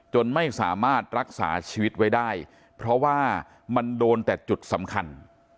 ไม่สามารถรักษาชีวิตไว้ได้เพราะว่ามันโดนแต่จุดสำคัญ